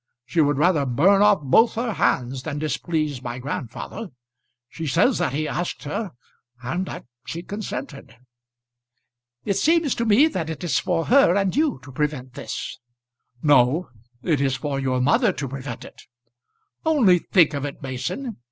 She would rather burn off both her hands than displease my grandfather. She says that he asked her and that she consented." "It seems to me that it is for her and you to prevent this." "No; it is for your mother to prevent it. Only think of it, Mason.